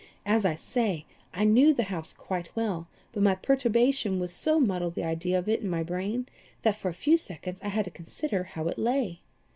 As I say I knew the house quite well, but my perturbation had so muddled the idea of it in my brain, that for a few seconds I had to consider how it lay.